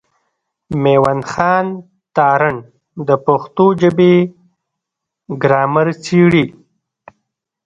مېوند خان تارڼ د پښتو ژبي ګرامر څېړي.